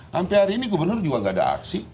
sampai hari ini gubernur juga nggak ada aksi